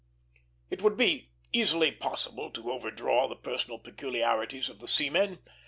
It would be easily possible to overdraw the personal peculiarities of the seamen.